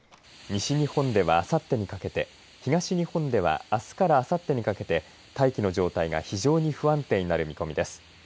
西日本では、あさってにかけて東日本ではあすからあさってにかけて大気の状態が非常に不安定になる見込みです。